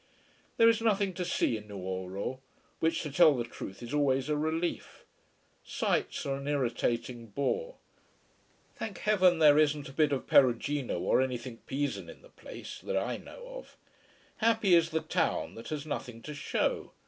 There is nothing to see in Nuoro: which, to tell the truth, is always a relief. Sights are an irritating bore. Thank heaven there isn't a bit of Perugino or anything Pisan in the place: that I know of. Happy is the town that has nothing to show.